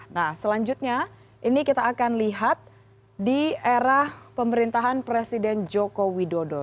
nah selanjutnya ini kita akan lihat di era pemerintahan presiden joko widodo